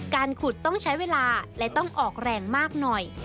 การขุดต้องใช้เวลาและต้องออกแรงมากหน่อย